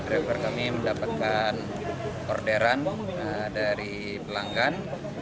pukul sebelas driver kami mendapatkan orderan dari pelanggan